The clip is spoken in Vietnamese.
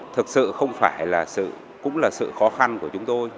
thực sự không phải là cũng là sự khó khăn của chúng tôi